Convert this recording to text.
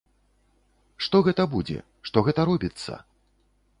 Што гэта будзе, што гэта робіцца?